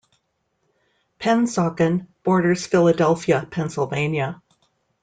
Pennsauken borders Philadelphia, Pennsylvania.